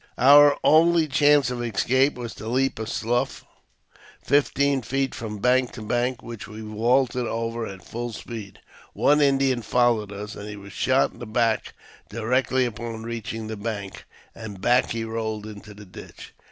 Our only chance of escape was to leap a slough fifteen feet from bank to bank, which we vaulted over at full speed. One Indian followed us, but he was shot in the back directly upon reaching the bank, and back he rolled into the ditch.